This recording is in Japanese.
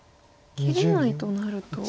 切れないとなると。